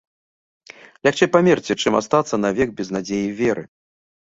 Лягчэй памерці, чым астацца навек без надзеі і веры!